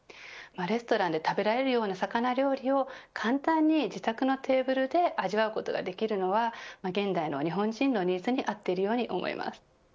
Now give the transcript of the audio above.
レストランで食べられるような魚料理を簡単に自宅のテーブルで味わうことができるのは現代の日本人のニーズに合っているように思います。